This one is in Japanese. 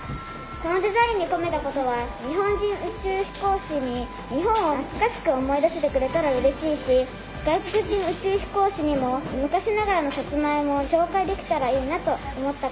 このデザインに込めたことは日本人宇宙飛行士に日本を懐かしく思い出してくれたらうれしいし外国人宇宙飛行士にも昔ながらのさつまいもを紹介できたらいいなと思ったことです。